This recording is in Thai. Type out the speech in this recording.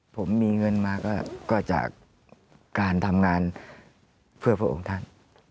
ผมมีเงินมาก็จากการทำงานเพื่อพระองค์ท่าน